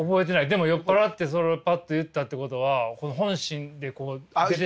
でも酔っ払ってそれをパッと言ったってことは本心でこう出てしまった。